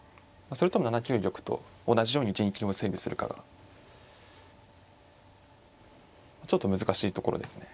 それとも７九玉と同じように陣形を整備するかがちょっと難しいところですね。